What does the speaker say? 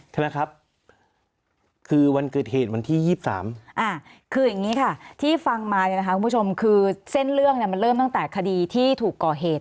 ใช่ไหมครับคือวันเกิดเหตุวันที่๒๓คืออย่างนี้ค่ะที่ฟังมาเนี่ยนะคะคุณผู้ชมคือเส้นเรื่องมันเริ่มตั้งแต่คดีที่ถูกก่อเหตุ